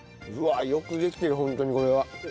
うわあよくできてるホントにこれは。